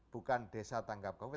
bukan desa tanggap covid